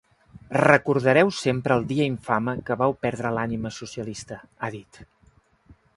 Recordareu sempre el dia infame que vau perdre l’ànima socialista, ha dit.